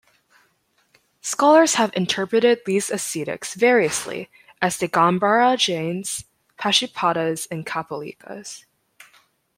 Scholars have interpreted these ascetics variously as Digambara Jains, Pashupatas and Kapalikas.